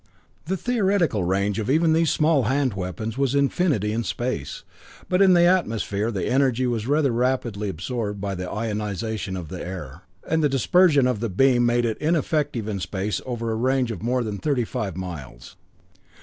The theoretical range of even these small hand weapons was infinity in space, but in the atmosphere the energy was rather rapidly absorbed by ionization of the air, and the dispersion of the beam made it ineffective in space over a range of more than thirty five miles.